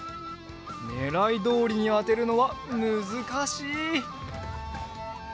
ねらいどおりにあてるのはむずかしい！